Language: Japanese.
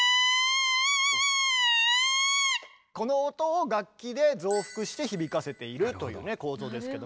この音を楽器で増幅して響かせているという構造ですけど。